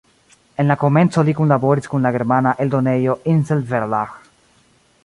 En la komenco li kunlaboris kun la germana eldonejo Insel-Verlag.